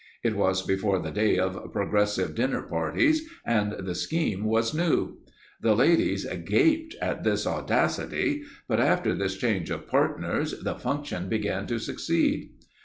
It was before the day of "progressive dinner parties," and the scheme was new. The ladies gasped at his audacity, but after this change of partners the function began to succeed.